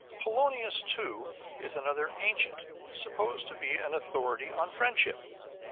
Polonius, too, is another ancient supposed to be an authority on friendship.